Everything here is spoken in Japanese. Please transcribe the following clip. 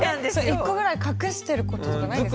１個ぐらい隠してることとかないんですか？